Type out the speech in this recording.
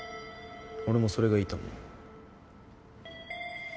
俺もそれがいいと思う。